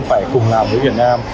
phải cùng làm với việt nam